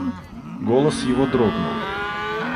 Голос его дрогнул.